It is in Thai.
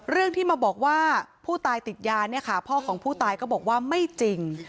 เรื่องที่มาบอกว่าผู้ตายติดยาเนี่ยค่ะพ่อของผู้ตายก็บอกว่าไม่จริง